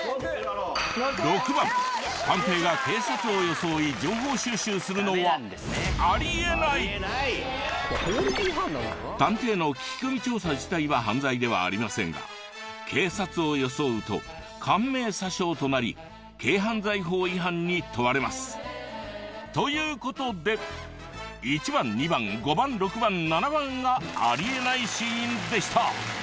６番探偵が警察を装い情報収集するのは探偵の聞き込み調査自体は犯罪ではありませんが警察を装うと官名詐称となり軽犯罪法違反に問われます。ということで１番２番５番６番７番がありえないシーンでした。